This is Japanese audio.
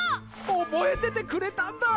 覚えててくれたんだぁ！